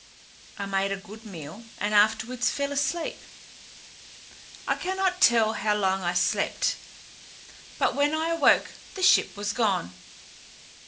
I made a good meal, and afterwards fell asleep. I cannot tell how long I slept, but when I awoke the ship was gone.